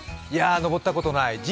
いや、登ったことない。